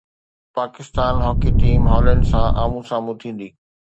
Pakistan hockey team Holland سان آمهون سامهون ٿيندي